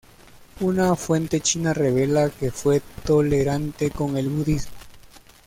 Una fuente china revela que fue tolerante con el budismo.